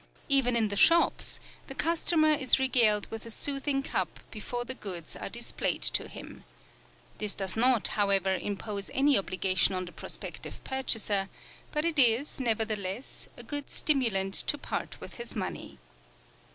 Even in the shops, the customer is regaled with a soothing cup before the goods are displayed to him. This does not, however, impose any obligation on the prospective purchaser, but it is, nevertheless, a good stimulant to part with his money.